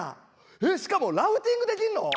しかもラフティングできんの？